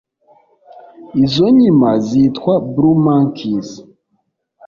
izo nkima zitwa “Blue Mankies”.